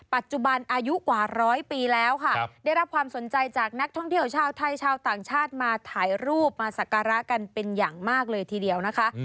ปัจจุบันอายุกว่าร้อยปีแล้วค่ะได้รับความสนใจจากนักท่องเที่ยวชาวไทยชาวต่างชาติมาถ่ายรูปมาสักการะกันเป็นอย่างมากเลยทีเดียวนะคะ